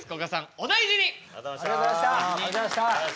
お大事に。